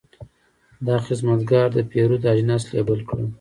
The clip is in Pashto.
دا خدمتګر د پیرود اجناس لیبل کړل.